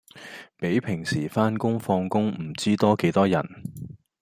比平時番工放工唔知多幾多人